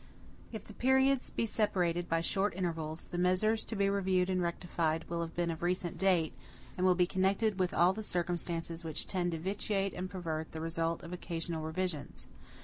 If the periods be separated by short intervals, the measures to be reviewed and rectified will have been of recent date, and will be connected with all the circumstances which tend to vitiate and pervert the result of occasional revisions.